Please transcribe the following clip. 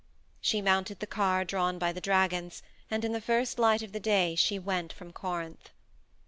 She mounted the car drawn by the dragons, and in the first light of the day she went from Corinth.